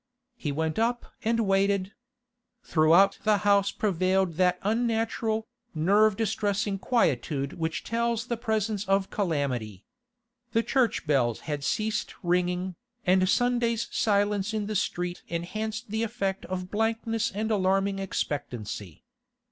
He went up and waited. Throughout the house prevailed that unnatural, nerve distressing quietude which tells the presence of calamity. The church bells had ceased ringing, and Sunday's silence in the street enhanced the effect of blankness and alarming expectancy.